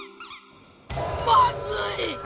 まずい！